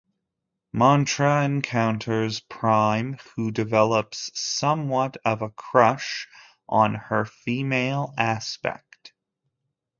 Mantra encounters Prime who develops somewhat of a crush on her female aspect.